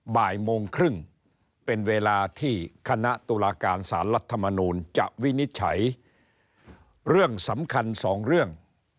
บ่ายโมงครึ่งเป็นเวลาที่คณะตุลาการสารรัฐมนูลจะวินิจฉัยเรื่องสำคัญสองเรื่อง